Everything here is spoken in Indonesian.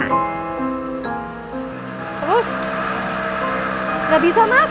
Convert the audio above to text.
terus nggak bisa masuk tuh